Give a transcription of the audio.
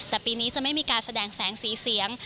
แต่ปีนี้จะไม่มีการแสดงแสงสีเสียง